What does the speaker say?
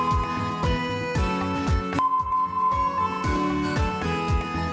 ก็ได้อะ